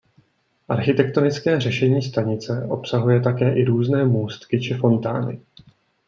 Architektonické řešení stanice obsahuje také i různé můstky či fontány.